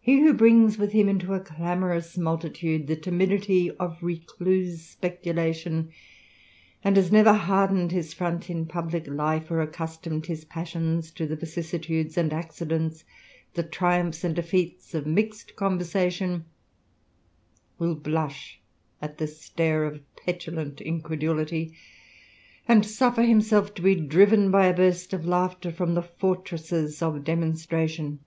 He who brings with him into a clamorous multitude the timidity of recluse speculation, and has never hardened his front in publick life, or accustomed his passions to the vicissitudes and accidents, the triumphs and defeats of mixed conversation, will blush at the stare of petulant incredulity, and suder himself to be driven by a burst of laughter, from the fortresses of demonstration.